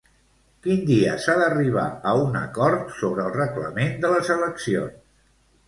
Quin dia s'ha d'arribar a un acord sobre el reglament de les eleccions?